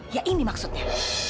ya ini maksudnya